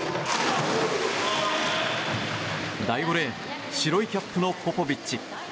第５レーン白いキャップのポポビッチ。